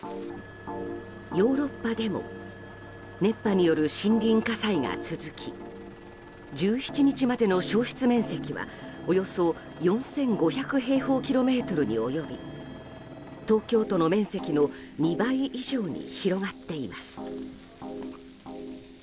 ヨーロッパでも熱波による森林火災が続き１７日までの焼失面積はおよそ４５００平方キロメートルに及び東京都の面積の２倍以上に広がっています。